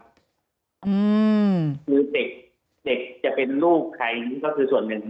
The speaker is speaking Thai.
คือเด็กเด็กจะเป็นลูกใครก็คือส่วนหนึ่ง